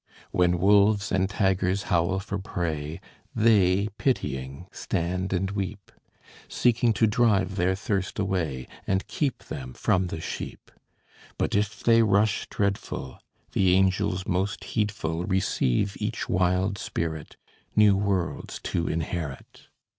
When wolves and tigers howl for prey, They pitying stand and weep; Seeking to drive their thirst away, And keep them from the sheep. But if they rush dreadful, The angels most heedful Receive each wild spirit, New worlds to inherit.